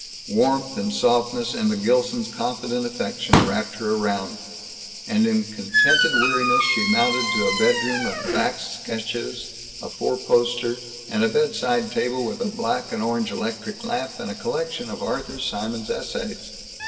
Warmth and softness and the Gilsons' confident affection wrapped her around; and in contented weariness she mounted to a bedroom of Bakst sketches, a four poster, and a bedside table with a black and orange electric lamp and a collection of Arthur Symons' essays.